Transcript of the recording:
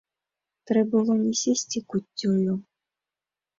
Трэ было не сесці куццёю.